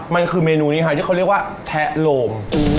มันคือเมนูนี้ค่ะที่เขาเรียกว่าแทะโลม